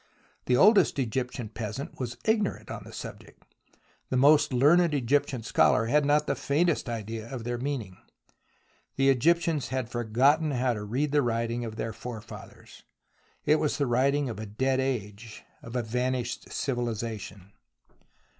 The oldest Egyptian peasant was ignorant on the subject, the most learned Egyptian scholar had not the faintest idea of their meaning. The Egyptians had forgotten how to read the writing of their forefathers. It was the writing of a dead age, of a vanished civiUzation.